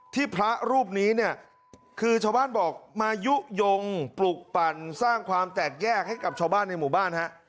พระรูปนี้เนี่ยคือชาวบ้านบอกมายุโยงปลุกปั่นสร้างความแตกแยกให้กับชาวบ้านในหมู่บ้านฮะ